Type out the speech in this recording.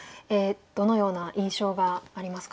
どのような印象がありますか？